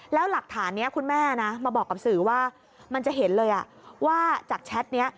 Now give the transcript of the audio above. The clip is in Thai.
แล้วหลักฐานนี้คุณแม่นะมาบอกกับสื่อว่ามันจะเห็นเลยว่าจากแชทนี้